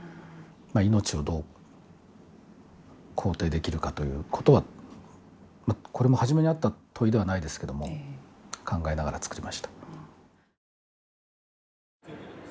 命をどう肯定できるかということは、これも初めにあった問いではないですけれども考えながら作りました。